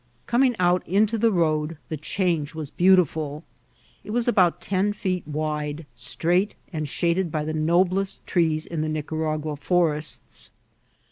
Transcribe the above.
Coming out into the road, the change was beautiful* It was about ten feet wide, straight, and traded by the noblest trees in the Nicaragua forests.